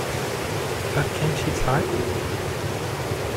But Can She Type?